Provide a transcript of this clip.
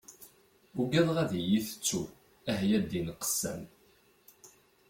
Ugadeɣ ad yi-tettu, ah ya ddin qessam!